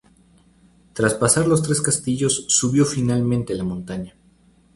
Tras pasar los tres castillos subió finalmente la montaña.